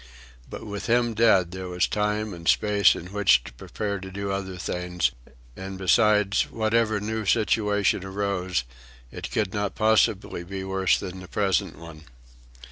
But with him dead there was time and space in which to prepare to do other things; and besides, whatever new situation arose, it could not possibly be worse than the present one.